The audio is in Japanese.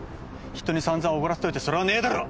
人に散々おごらせといてそれはねえだろ！